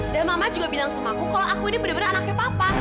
dan mama juga bilang sama aku kalau aku ini bener bener anaknya papa